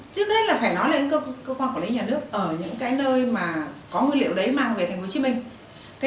trước hết là phải nói đến cơ quan quản lý nhà nước ở những cái nơi mà có nguyên liệu đấy mang về tp hcm